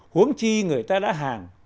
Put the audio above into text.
huống chi người ta đã hàng